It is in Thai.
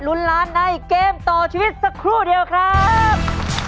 ลุ้นล้านในเกมต่อชีวิตสักครู่เดียวครับ